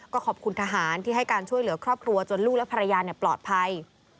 ก็ขอบคุณทหารที่ให้การช่วยเหลือครอบครัวจนลูกและภรรยาปลอดภัย